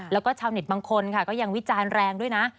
แล้วก็ชาวเน็ตบางคนค่ะก็ยังวิจารณ์แรงด้วยนะ